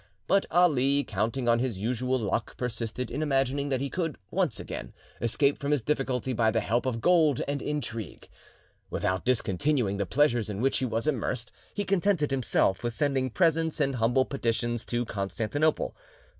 But Ali, counting on his usual luck, persisted in imagining that he could, once again, escape from his difficulty by the help of gold and intrigue. Without discontinuing the pleasures in which he was immersed, he contented himself with sending presents and humble petitions to Constantinople.